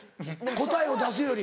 答えを出すより。